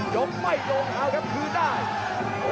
ยกไม่ลงเอาครับคืนได้